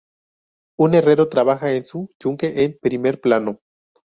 Un herrero trabaja en su yunque en primer plano.